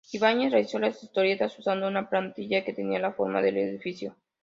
Ibáñez realizó las historietas usando una plantilla que tenía la forma del edificio.